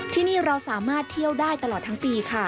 ที่นี่เราสามารถเที่ยวได้ตลอดทั้งปีค่ะ